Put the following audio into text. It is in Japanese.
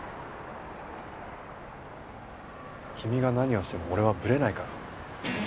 君が何をしても俺はブレないから。